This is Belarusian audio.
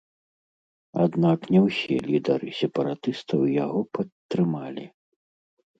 Аднак не ўсе лідары сепаратыстаў яго падтрымалі.